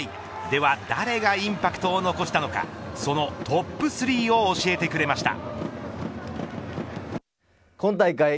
では誰がインパクトを残したのかそのトップ３を教えてくれました。